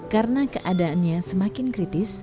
karena keadaannya semakin kritis